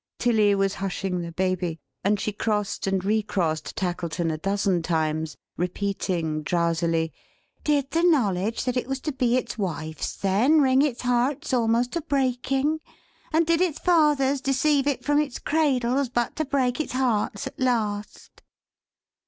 Tilly was hushing the Baby; and she crossed and re crossed Tackleton, a dozen times, repeating drowsily: "Did the knowledge that it was to be its wifes, then, wring its hearts almost to breaking; and did its fathers deceive it from its cradles but to break its hearts at last!"